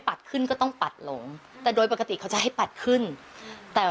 ขึ้นก็ต้องปัดหลงแต่โดยปกติเขาจะให้ปัดขึ้นแต่